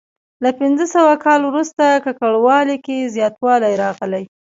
له پنځه سوه کال وروسته ککړوالي کې زیاتوالی راغلی.